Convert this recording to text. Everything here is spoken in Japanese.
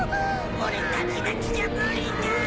俺たちだけじゃ無理だ！